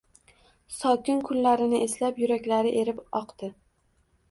Sokin kunlarini eslab yuraklari erib oqdi